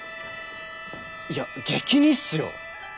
いや激似っすよ。